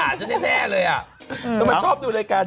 พี่จะเล่าให้ฉันฟังเลยมีแต่แบบจะตบกูทั้งวันเลยบอกขอกินหน่อยสิ